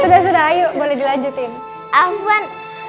sudah sudah ayu boleh dilanjutin